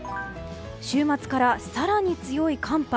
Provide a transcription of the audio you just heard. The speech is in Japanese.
週末から更に強い寒波。